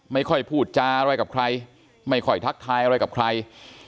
พูดจาอะไรกับใครไม่ค่อยทักทายอะไรกับใคร